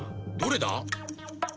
どれだ？